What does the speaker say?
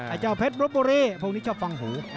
เจ้าเพชรรบบุรีพวกนี้ชอบฟังหู